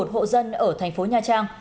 hai trăm linh một hộ dân ở thành phố nha trang